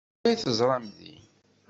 Anwa ay teẓramt din?